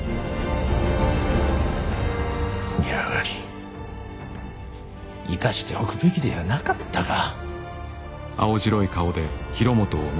やはり生かしておくべきではなかったか。